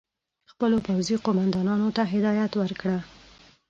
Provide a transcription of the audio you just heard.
خپلو پوځي قوماندانانو ته هدایت ورکړ.